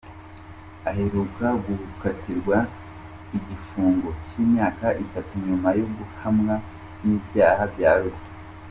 Aheruka gukatirwa igifungo cy’imyaka itanu nyuma yo guhamwa n’ibyaha bya ruswa.